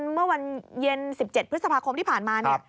เมื่อวันเย็น๑๗พฤษภาคมที่ผ่านมาเนี่ย